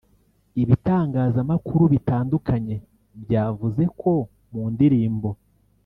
Ibitangazamakuru bitandukanye byavuze ko mu ndirimbo